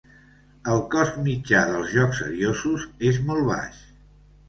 El cost mitjà dels jocs seriosos és molt baix.